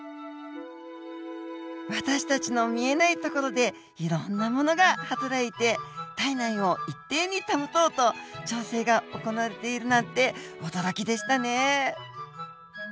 私たちの見えないところでいろんなものが働いて体内を一定に保とうと調整が行われているなんて驚きでしたね。